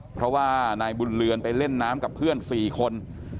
เพราะว่านายบุญเรือนไปเล่นน้ำกับเพื่อน๔คน